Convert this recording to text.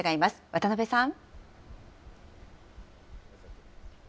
渡辺さん。